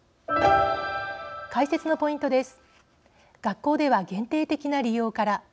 解説のポイントです。